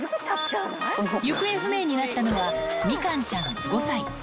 行方不明になったのは、みかんちゃん５歳。